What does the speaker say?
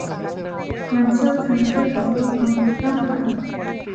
ความเชี่ยวชาญเพื่อต่อยอดความคิดสร้างสรรค์